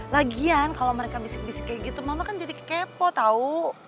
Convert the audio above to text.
lagian kalau mereka bisik bisik kayak gitu mama kan jadi kepo tahu